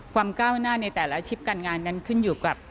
ก้าวหน้าในแต่ละอาชีพการงานนั้นขึ้นอยู่กับ